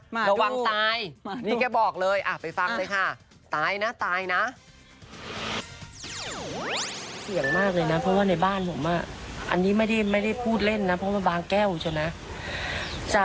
ระวังตายนี่แกบอกเลยไปฟังเลยค่ะตายนะตายนะ